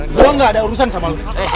gue gak ada urusan sama lu